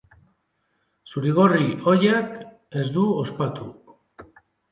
Zurigorri ohiak ez du ospatu.